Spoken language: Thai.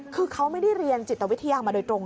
คือเขาไม่ได้เรียนจิตวิทยามาโดยตรง